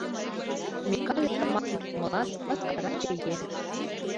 Микале тыматле кумылан, мыскараче еҥ.